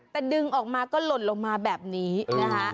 แต่ดึงออกมาก็หล่นลงมาแบบนี้นะคะ